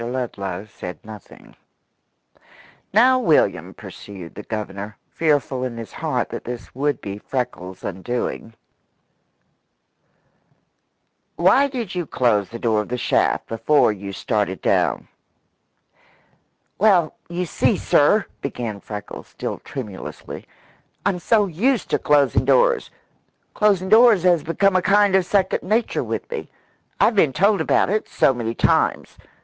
Ludlow said nothing. "Now, William," pursued the Governor, fearful in his heart that this would be Freckles' undoing, "why did you close the door of the shaft before you started down?" "Well, you see, sir," began Freckles, still tremulously, "I'm so used to closin' doors. Closin' doors has become a kind of second nature with me. I've been told about it so many times.